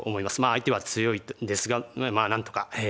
相手は強いんですがまあ何とか。